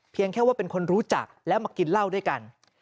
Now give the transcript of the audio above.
แค่ว่าเป็นคนรู้จักแล้วมากินเหล้าด้วยกัน